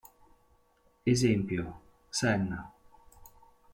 Esempio: Senna.